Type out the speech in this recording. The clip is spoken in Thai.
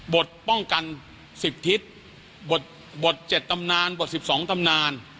บทป้องกันสิบทิศบทเจ็ดตำนานบทสิบสองตำนาน